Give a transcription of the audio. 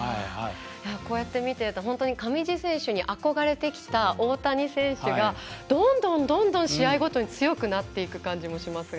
こうやって見てると上地選手に憧れてきた大谷選手がどんどん試合ごとに強くなっていく感じもしますが。